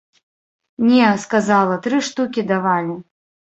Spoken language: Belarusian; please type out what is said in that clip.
Не, сказала, тры штукі давалі.